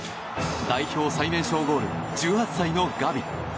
代表最年少ゴール１８歳のガビ。